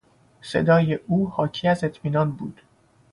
صدای او حاکی از اطمینان بود.